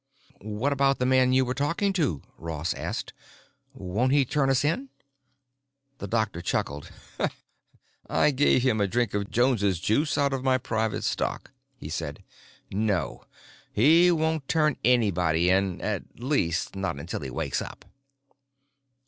"What about the man you were talking to?" Ross asked. "Won't he turn us in?" The doctor chuckled. "I gave him a drink of Jones's Juice out of my private stock," he said. "No, he won't turn anybody in, at least not until he wakes up."